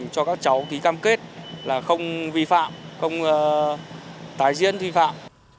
cho các cháu ký cam kết là không vi phạm không tái diễn vi phạm